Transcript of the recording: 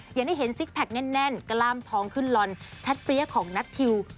อย่างที่เห็นซิกแพคแน่นกล้ามท้องขึ้นลอนชัดเปรี้ยของนัททิว